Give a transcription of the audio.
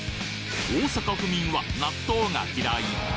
「大阪府民は納豆が嫌い！？」